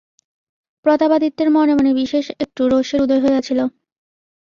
প্রতাপাদিত্যের মনে মনে বিশেষ একটু রোষের উদয় হইয়াছিল।